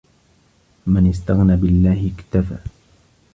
مَنْ اسْتَغْنَى بِاَللَّهِ اكْتَفَى